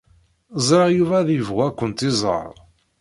Ẓriɣ Yuba ad yebɣu ad kent-iẓer.